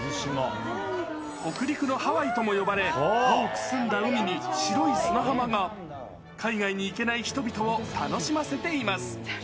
北陸のハワイとも呼ばれ、青く澄んだ海に白い砂浜が海外に行けない人々を楽しませています。